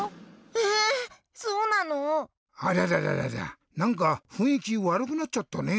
えそうなの⁉ありゃりゃりゃなんかふんいきわるくなっちゃったね。